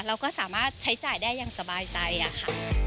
เราก็สามารถใช้จ่ายได้อย่างสบายใจอะค่ะ